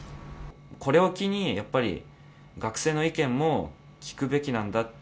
これを機に、やっぱり学生の意見も聞くべきなんだって